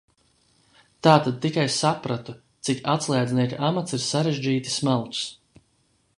Tad tikai sapratu, cik atslēdznieka amats ir sarežģīti smalks.